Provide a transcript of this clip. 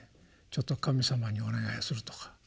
ちょっと神様にお願いするとか。